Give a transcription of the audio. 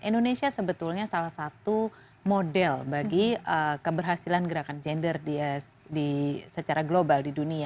indonesia sebetulnya salah satu model bagi keberhasilan gerakan gender secara global di dunia